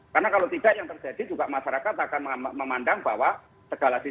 karena kalau tidak yang terjadi juga masyarakat akan memandang bahwa segala situasi